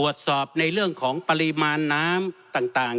ตรวจสอบในเรื่องของปริมาณน้ำต่าง